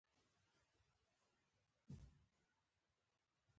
آیا د میلمه پالنې لپاره پښتون هر ډول قرباني نه ورکوي؟